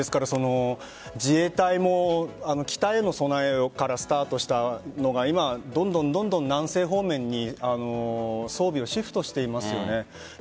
自衛隊も北への備えからスタートしたのが今はどんどん南西方面に装備をシフトしていますよね。